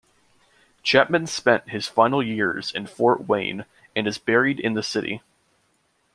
Chapman spent his final years in Fort Wayne and is buried in the city.